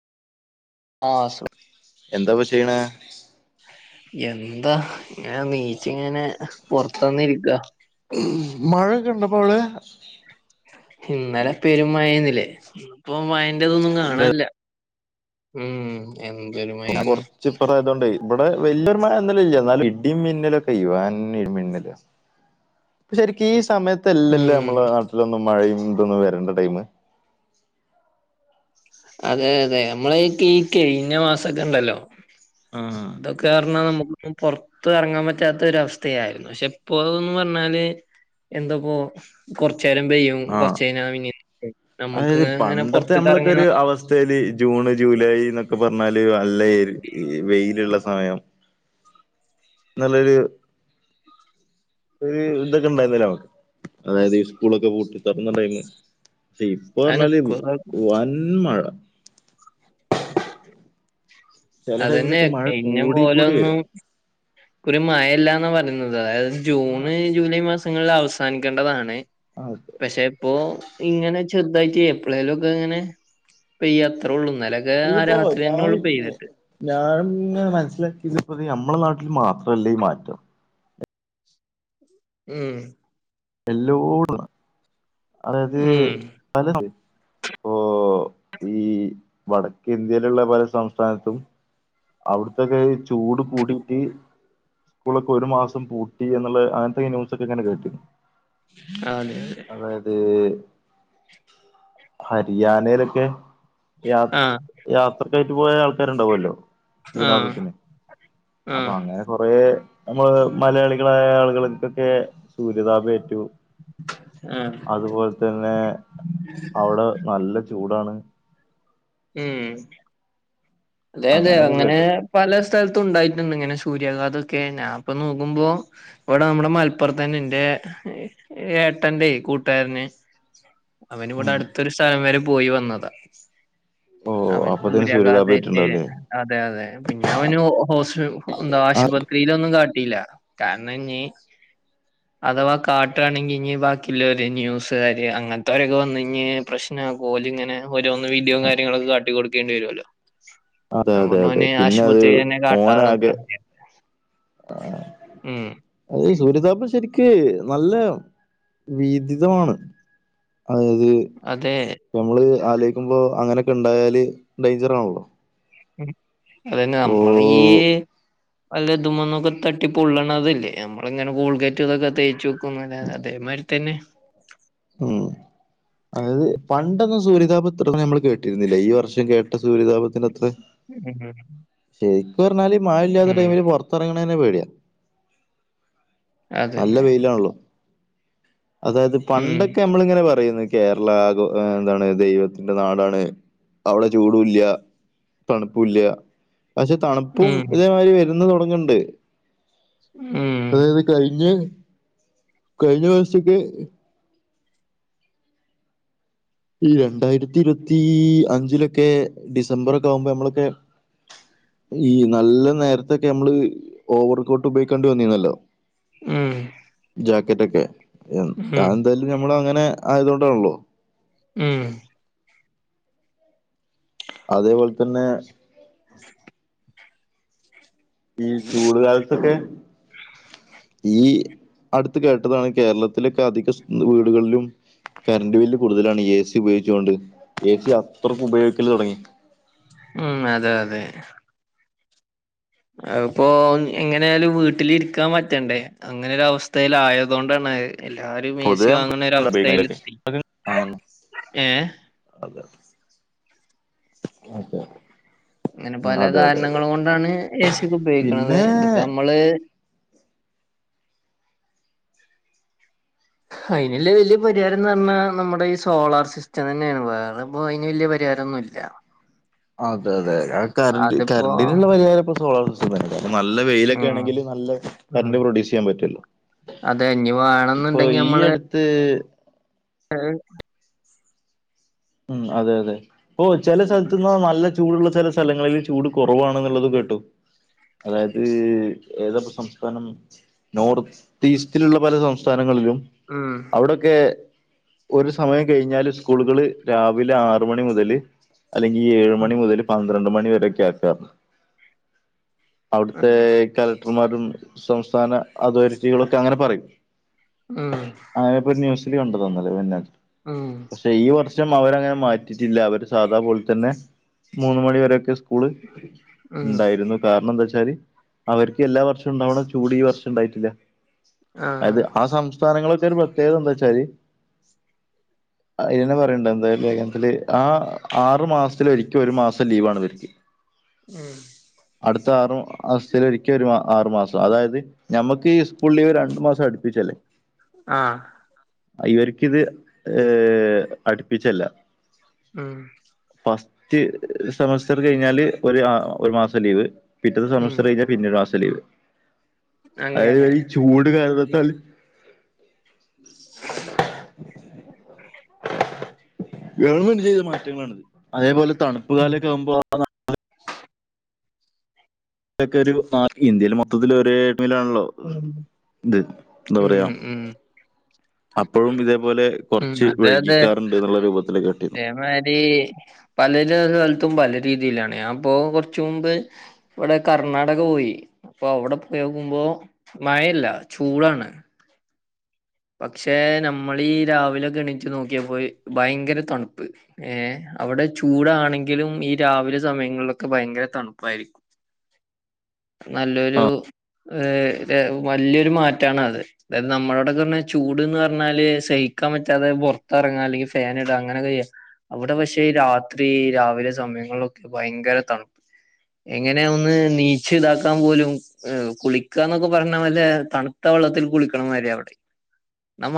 ആഹ് സു എന്താപ്പ ചെയ്യണേ എന്താ ങ്ങനെ നീച്ചിങ്ങനെ പുറത്തന്നിരിക്ക ക് മഴയൊക്കെണ്ടപ്പോ വടെ ഇന്നലെ പെരും മഴെന്നില്ലേ, ഇപ്പോ മയന്റതൊന്നും കാണാല്ല. ഉം എന്തൊരുമയേന്നു ച്ചിപ്പറായതുകൊണ്ട് വിടെ വല്ല്യരു മഴലുംല്ലന്നാലും ഇടിമിന്നലൊക്കെ ഇുവാൻ ഇടിമിന്നല് [inaudible] ശരിക്കും ഈ സമയത്ത്ല്ലല്ലോ, ഉം നമ്മളെ നാട്ടിലൊന്നും മഴയും, ഇതൊന്നും വരണ്ട ടൈമ്. അതെ, അതെ ഞമ്മളെ ഇപ്പീ ഈ കെയ്ഞ്ഞ‌മാസൊക്കെണ്ടല്ലോ ആഹ് തൊ കാരണം നമുക്പ്പോ പൊർത്ത് അർങ്ങാൻ പറ്റാത്ത ഒരവസ്ഥയായി, പക്ഷെ ഇപ്പോന്ന് പറഞ്ഞാല് എന്താപ്പോ കുറച്ചരം പെയ്യും മം ആഹ് കൊറച്ചയ്ഞാ പിന്നെ ഞമ്മക്ക് ഇങ്ങനെ പുറത്തക്കറങ്ങി നാ ച്ചല് ജൂണ് ജൂലൈന്നൊക്കെ പറഞ്ഞാല് അല്ല വെയിലുള്ള സമയം നല്ലൊരു ഒര് ഇതൊക്കെ ഇണ്ടായിരുന്നല്ലോ അതായത് ഈ സ്കൂളക്കെ പൂട്ട് തുറന്ന ടൈം ക്ഷെ ഇപ്പൊ പറഞ്ഞാല് വൻ മഴ ചെല ടൈമിലൊക്കെ അതന്നെയാണ് മഴ എന്നെ കൂടി കൂടി മോനും വരും ഒരു മഴല്ലാന്നാ പറയുന്നത് അതായത് ആ ജൂണ് ജൂലൈ മാസങ്ങളിൽ അവസാനിക്കേണ്ടതാണ് [unintelligible] പക്ഷെപ്പോ ഇങ്ങനെ ചെറുതായിട്ട് എപ്പഴേലും ഒക്കെ ഇങ്ങനെ പെയ്യാ അത്രേ ഉള്ളൂ എന്നല്ല ദെ ആ ഇതിപ്പോ ഞാൻ രാത്രിയെന്നൊള്ളൂ പെയ്യ്തിട്ട് ഞാൻ മനസ്സിലാക്കിയത്പ്പത് നമ്മളെ നാട്ടിൽ മാത്രല്ല ഈ മാറ്റം മ് എല്ലോടത അതായത് ഉം പല പ്പോ ഈ വടക്കേ ഇന്ത്യയിലുള്ള പല സംസ്ഥാനത്തും അവിടത്തൊക്കെ ചൂട് കൂടിട്ട് സ്കൂളൊക്കെ ഒര് മാസം പൂട്ടി എന്നുള്ള അങ്ങനത്തെ ന്യൂസൊക്കെങ്ങനെ കേട്ടീന്നു. അതെ അതെ അതായത് ഹരിയാനയിലൊക്കെ യാ ആഹ് യാത്രക്കായിട്ട് പോയ ആൾക്കാരുണ്ടാവല്ലോ ആഹ് വിനോദത്തിന്. അപ്പൊ ആഹ് അങ്ങനെ കൊറേ നമ്മളേ മലയാളികളായ ആളുകൾക്കൊക്കെ സൂര്യതാപേറ്റു. ആഹ് അതുപോൽ തെന്നെ അവിടെ നല്ല ചൂടാണ്. ഉം അതെ, അതെ അങ്ങനെയൊക്കെ അങ്ങനെ കേട്ടു പല സ്ഥലത്തും ഉണ്ടായിട്ടുണ്ട്. ഇങ്ങനെ സൂര്യാഘാതൊക്കെ ഞാൻ ഇപ്പൊ നോക്കുമ്പോ വിടെ നമ്മുടെ മലപ്പുറത്തന്നെ ഇന്റെ ഏട്ടന്റെ കൂട്ടുകാരന് അവന് ഇവിടെ ഉം അടുത്തൊരു സ്ഥലം വരെ പോയി വന്നതാ, ഓ അവൻക്ക് അപ്പത്തേന് സൂര്യാഘാതേ സൂര്യതാപേറ്റുണ്ടാവുല്ലേ അതെ, അതെ പ്പി ഞാവന് ഹോസ്, എന്താ ആശുപ സ്ക്രീനൊന്നും കാട്ടില്ല കാരണഞ് അഥവാ കാട്ടുണെങ്കി ഇഞ് ബാക്കിയുള്ളര് ന്യൂസ്കാര് അങ്ങനത്തെവരൊക്കെ വന്ന കഴഞ്ഞ് പ്രശ്ന കോല ഇങ്ങനെ ഓരോന്ന് വീഡിയോം കാര്യങ്ങളൊക്കെ കാട്ടി കൊട്ക്കേണ്ടി വെരൂല്ലോ. അതെ അതെ അതെ അങ്ങനൊനെ പിന്നെ അത് ആശുപത്രി നെ കാട്ടാലോ ഓനാകെ മ് അത് സൂര്യതാപം ശെരിക് നല്ല വീതിതമാണ്. അതായത് അതെ പ്പൊമ്മള് ആലോയ്ക്കുമ്പോ അങ്ങനെയൊക്കെ ഉണ്ടായാല്, ഡേയ്ഞ്ചറാണല്ലോ. അതന്നെ നമ്മളീ ഓ അല്ല ഇതുമന്നൊക്കെ തട്ടി പൊള്ളണതല്ലേ നമ്മളങ്ങനെ ഗോൾഗേറ്റ് ഇതൊക്കെ തേച്ചു ഇതേമാതിരി തന്നെ [inaudible] ഉം. അതായത് പണ്ടൊന്നും സൂര്യതാപം ത്രൊന്നും നമ്മൾ കേട്ടിരുന്നില്ല ഈ വർഷം കേട്ട സൂര്യതാപം തിന്റെ കത്ത്. ഉം ശരിക്കറഞ്ഞാല് മഴ ഇല്ലാത്ത ഉം ടൈമിൽ പൊറ പുറത്തറങ്ങ്ണെന്നെ പേടിയാ. നല്ല അതന്നെ വെയിലാണല്ലോ. അതായത് ഉം പണ്ടൊക്കെ നമ്മള ഇങ്ങനെ പറയുന്നേക്കാ കേരള ആകു, എന്താണ് ദൈവത്തിന്റെ നാടാണ്. അവിടെ ചൂടൂല്ല. തണുപ്പുല്ല പക്ഷെ തണുപ്പും ഉം. തേ മാതിരി വരന്ന് തുടങ്ങണ്ട് ഉം അതായത് കഴിഞ്ഞെ, കഴിഞ്ഞ വർഷോക്കെ ഈ രണ്ടായിരത്തി ഇരുപത്തി അഞ്ചിലൊക്കെ ഡിസംബറോക്കെ ആകുമ്പോ നമ്മളൊക്കെ ഈ നല്ല നേരത്തൊക്കെ മ്മള് ഓവർക്കോട്ട് ഉപയോഗിക്കണ്ടി വന്നല്ലോ മ് ജാക്കറ്റക്കെ. താൻ ഉം ന്തായാലും ഞമ്മൾ അങ്ങനെ ആയതൊണ്ടാണല്ലോ. മ് അതേപോൽതന്നെ, [inaudible] ഈ ചൂട്കാൽത്തൊക്കെ ഈ അടുത്ത് കേട്ടതാണ്, കേരളത്തിലൊക്കെ അധിക, സ് വീടുകളിലും കറണ്ട് ബില്ല് കൂടുതലാണ് എ സി ഉപയോഗിച്ചോണ്ട് എ സി അത്രക്കും ഉപയോഗിക്കല് തൊടങ്ങി. മ് അതെതെ അപ്പോം ഇങ്ങനെ ഒരു വീട്ടിലിരിക്കാൻ പറ്റണ്ടേ അങ്ങനൊരു അവസ്ഥയിലായതോ ണ്ടാണത് എല്ലാരും പൊതുവെ നമുക്ക് ഉപയോഗിക്കുന്നതിലൊക്കെ. മേസിവാങ്ങണഒരവസ്ഥയിലെത്തി ഏഹ് അതെ അതെ അങ്ങനെ പല അതെ അതെ കാരണങ്ങളും കൊണ്ടാണ് ഏശ്യൊക്ക ഉപയോഗിക്കണന്നത് പിന്നെ ഇതിപ്പോ നമ്മള് അതിന്ള്ള വലിയ പരിഹാരം എന്ന് പറഞ്ഞാൽ, നമ്മുടെ ഈ സോളാർ സിസ്റ്റം തന്നെയാണ്. വേറപ്പോ അതിന് വലിയ പരിഹാരൊന്നുല്ല. അതെ അതെ കറന്റെ അതിപ്പോ കറന്റിനുള്ള പരിഹാരപ്പോ സോളാർ സിസ്റ്റം തന്നല്ല നല്ല ഉം വെയിലൊക്കെണെങ്കിൽ നല്ല ഉം കറണ്ട്റ് പ്രൊഡ്യൂസ് ചെയ്യാൻ പറ്റല്ലോ അതെ ഇനി വാണം ന്ന്ണ്ടെങ്കിൽ നമ്മൾ ത് ആഹ് ഉമ് അതെ തെ ഓഹ് ചില സ്ഥലത്ത്ന്ന് നല്ല ചൂടുള്ള ചില സ്ഥലങ്ങളിൽ ചൂട് കുറവാണെന്നുള്ളത് കേട്ടു. അതായത് ഏതപ്പോ സംസ്ഥാനം നോർത്ത് ഈസ്റ്റിലുള്ള പല സംസ്ഥാനങ്ങളിലും മ് അവുടൊക്കെ ഒര് സമയം കഴിഞ്ഞാല് സ്കൂളുകള് രാവിലെ ആറ് മണി മുതല് അല്ലെങ്കിൽ ഏഴഴ് ഉം മണി മുതൽ പന്ത്രണ്ട് മണി വരൊക്കെ ആക്കാ. അവിടുത്തെ കലക്ടർമാരും സംസ്ഥാന അതോറിറ്റികളൊക്കെ അങ്ങനെ പറയും മ് ആഹ് അത് ഇപ്പൊ ന്യൂസില് കണ്ടത ഇന്നലേ [unintelligible] ആഹ് പക്ഷെ ഈ വർഷം അവരങ്ങനെ മാറ്റിയിട്ടില്ല, അവര് സാധാപോലെ തന്നെ മൂന്ന് മണിവരെയൊക്കെ സ് സ്കൂള് ഉം ഇണ്ടായിരുന്നു കാരണം എന്താ ച്ചാല് അവർക്ക് എല്ലാ വർഷം ഉണ്ടാവണ ചൂട് ഈ വർഷം ഉണ്ടായിട്ടില്ല. അത് ആഹ് ആ സം സ്ഥാനങ്ങളെയൊക്കെ ഒരു പ്രത്യേകതെന്താച്ചാല്, അതിനന്നെ പറയ [unintelligible] ത്തില് ആ ആറ് മാസത്തില് ഒരിക്ക ഒരു മാസം ലീവാണിവർക്ക്. ഉം അട്ത്ത ആറു മാസത്തിലൊരിക്കെ ഒരു മാ ആറു മാസം, അതായത് ഞമ്മക്ക് ഈ സ്കൂൾ ലീവ് രണ്ടു മാസം അടുപ്പിച്ചല്ലേ? ആഹ് ഇവർക്കിത് ഈഹ് അട്പ്പിച്ചല്ല. ഉം ഫസ്റ്റ് സെമസ്റ്റർ കഴിഞ്ഞാല് ഒരു ഒരു മാസം ലീവ്. പിറ്റത്തെ ഉം സെമസ്റ്റർ കഴിഞ്ഞാ പിന്നെ ഒരു മാസം ലീവ്. അങ്ങനെ അതായത് ഈ ചൂട് കാലത്താല് [inaudible] ഗവൺമെന്റ് ചെയ്ത മാറ്റങ്ങളാണത്. അതേപോലെ തണുപ്പ് കാലൊക്കെ ആവുമ്പോ ഇതൊക്കെ ഒരു, ഇന്ത്യയില് മൊത്തത്തില് ഒരേ ടൈമിലാണല്ലോ? ഉം ഇത്. എന്താ പറയാ. ഉം അപ്പഴും ഇതേപോലെ ഉം കുറച്ച് വൈകിക്കാറുണ്ട് എന്നുള്ള രൂപത്തില് കേട്ടിരുന്നു. ഇതേമാരീ, പലരെ സ്ഥലത്തും പല രീതിയിലാണ്. ഞാൻപ്പൊ കൊറച്ച് മുമ്പ് ഇവിടെ കർണാടക പോയി. അപ്പൊ അവിടെ പോയോക്കുമ്പോ മഴയല്ല, ചൂടാണ്. പക്ഷെ നമ്മളീ ഈ രാവിലൊക്കെ എണീച്ച് നോക്കിയപ്പോ ഭയങ്കര തണ്പ്പ്. ഏഹ് അവിടെ ചൂടാണെങ്കിലും ഈ രാവിലെ സമയങ്ങളിലൊക്കെ ഭയങ്കര തണുപ്പായിരിക്കും. ആ നല്ലൊരു, ഈഹ് വല്ല്യൊരു മാറ്റാണത്. നമ്മളോടൊക്കെ പറഞ്ഞാൽ ചൂട്ന്ന് പറഞ്ഞാല് സഹിക്കാൻ പറ്റാതെ പുറത്തിറങ്ങാം അല്ലെങ്കിൽ ഫാൻ ഇടുക അങ്ങനെയൊക്കെ ചെയ്യാം. അവിടെ പക്ഷെ ഈ രാത്രി രാവിലെ സമയങ്ങളിലൊക്കെ ഭയങ്കര തണുപ്പ് എങ്ങനെയ ഒന്ന് നീ ച്ച് ഇതാക്കാൻ പോലും, ഈഹ് കുളിക്കാന്നൊക്കെ പറഞ്ഞ വല്ല തണുത്ത വെള്ളത്തിൽ കുളിക്കണമാതിരിയാ അവിടെ. നമ്മ